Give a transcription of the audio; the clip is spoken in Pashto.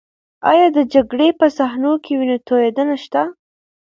ایا د جګړې په صحنو کې وینه تویدنه شته؟